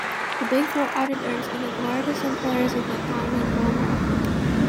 The Big Four auditors are the largest employers of accountants worldwide.